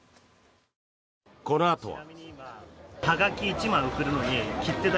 このあとは。